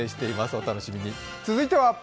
お楽しみに！